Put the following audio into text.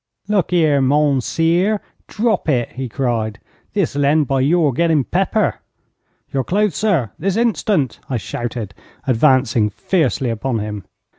'Look here, mounseer, drop it!' he cried; 'this'll end by your getting pepper.' 'Your clothes, sir, this instant!' I shouted, advancing fiercely upon him.